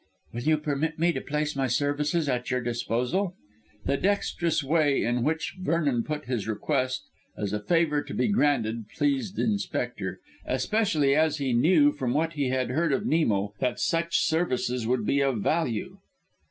"Will you permit me to place my services at your disposal?" The dexterous way in which Vernon put his request as a favour to be granted pleased the Inspector, especially as he knew from what he had heard of Nemo that such services would be of value.